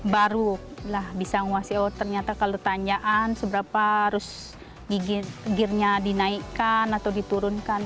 baru bisa menguasai ternyata kalau tanjaan seberapa harus gear nya dinaikkan atau diturunkan